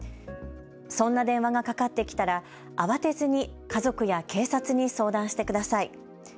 そんな電話がかかってきたら慌てずに家族や警察に相談してください。